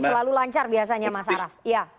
selalu lancar biasanya mas araf